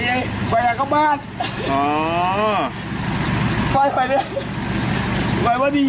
แล้วเราไปนั่งรีมรีมนี้ไปนั่งรีมศรูนย์นี้